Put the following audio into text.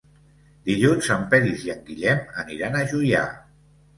Dilluns en Peris i en Guillem aniran a Juià.